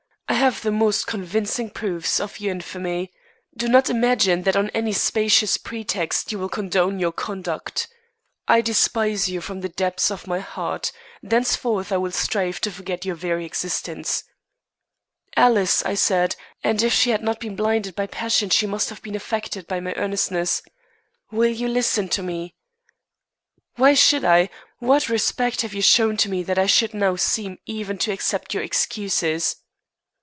I have the most convincing proofs of your infamy. Do not imagine that on any specious pretext I will condone your conduct. I despise you from the depths of my heart. Henceforth I will strive to forget your very existence." "Alice," I said, and if she had not been blinded by passion she must have been affected by my earnestness, "will you listen to me?" "Why should I? What respect have you shown to me that I should now seem even to accept your excuses?"